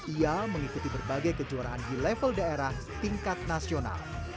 ia mengikuti berbagai kejuaraan di level daerah tingkat nasional